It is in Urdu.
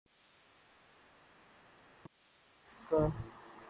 جوہری معاہدے کے سمجھوتوں میں کمی لائے گا۔